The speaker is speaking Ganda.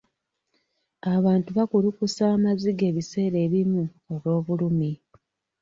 Abantu bakulukusa amaziga ebiseera ebimu olw'obulumi.